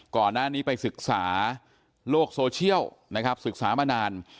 ก่อนหน้านี้ไปศึกษาโลกโซเชียลนะครับศึกษามานาน